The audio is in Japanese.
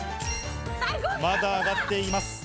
まだ上がっています。